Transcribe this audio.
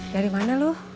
dari mana lu